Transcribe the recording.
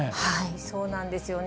そうなんですよね。